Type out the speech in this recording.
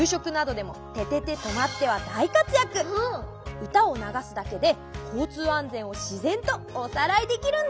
うたをながすだけでこうつうあんぜんをしぜんとおさらいできるんだ！